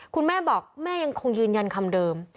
คุณแม่บอกแม่ยังคงยืนยันคำเดิม